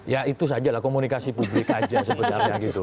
ya itu sajalah komunikasi publik aja sebenarnya gitu